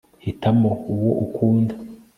hitamo uwo ukunda